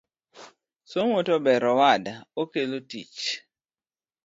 Somo tober owada, okelo tich